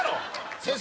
先生。